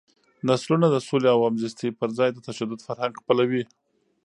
نسلونه د سولې او همزیستۍ پر ځای د تشدد فرهنګ خپلوي.